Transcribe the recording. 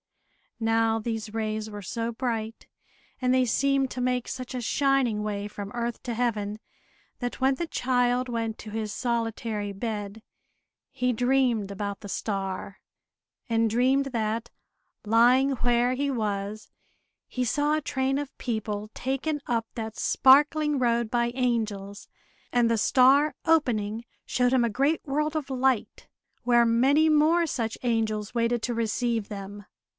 Now, these rays were so bright, and they seemed to make such a shining way from earth to Heaven, that when the child went to his solitary bed, he dreamed about the star; and dreamed that, lying where he was, he saw a train of people taken up that sparkling road by angels. And the star, opening, showed him a great world of light, where many more such angels waited to receive them.